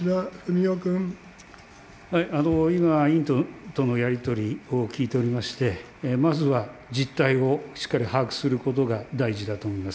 今、委員とのやり取りを聞いておりまして、まずは実態をしっかり把握することが大事だと思います。